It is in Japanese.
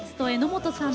榎本さん